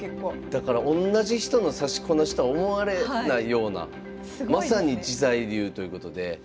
だからおんなじ人の指しこなしとは思われないようなまさに自在流ということで。